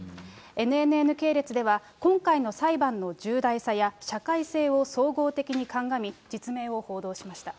ＮＮＮ系列では、今回の裁判の重大さや、社会性を総合的に鑑み、実名を報道しました。